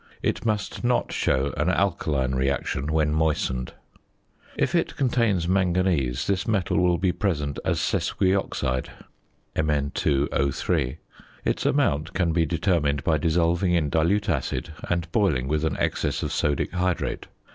It must not show an alkaline reaction when moistened. If it contains manganese this metal will be present as sesquioxide (Mn_O_). Its amount can be determined by dissolving in dilute acid and boiling with an excess of sodic hydrate.